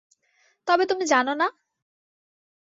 তবে তুমি জান না?